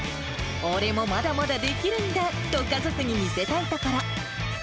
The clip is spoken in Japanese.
俺もまだまだできるんだと家族に見せたいところ。